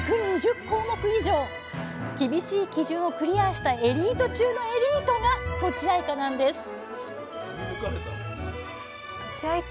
厳しい基準をクリアしたエリート中のエリートがとちあいかなんですいや